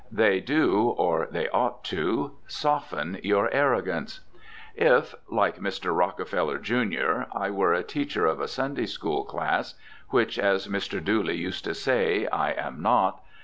They do (or they ought to) soften your arrogance. If like Mr. Rockefeller, jr. I were a teacher of a Sunday school class (which, as Mr. Dooley used to say, I am not).